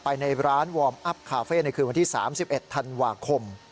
ไปในร้านวอร์มอัพคาเฟ่ในคืนวันที่๓๑ธันวาคม